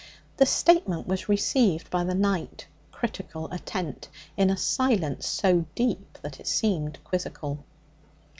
The statement was received by the night critical, attent in a silence so deep that it seemed quizzical.